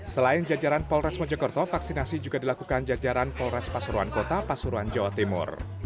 selain jajaran polres mojokerto vaksinasi juga dilakukan jajaran polres pasuruan kota pasuruan jawa timur